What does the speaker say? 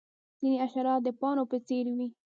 ځینې حشرات د پاڼو په څیر وي